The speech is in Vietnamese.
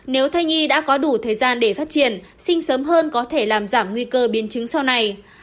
nếu thai nhi đã có đủ thời gian để phát triển sinh sớm hơn có thể làm giảm nguy cơ biến chứng sau này